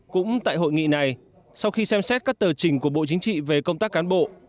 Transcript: cũng tại hội nghị này sau khi xem xét các tờ trình của bộ chính trị về công tác cán bộ